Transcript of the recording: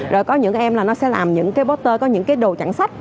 rồi có những em là nó sẽ làm những cái poster có những cái đồ chẳng sách